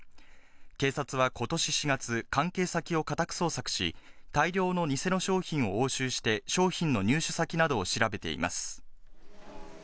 警察はことし４月、関係先を家宅捜索し、大量の偽の商品を押収して、商品の入手先などを調べています。